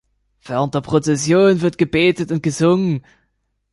Während der Prozession wird gebetet und gesungen.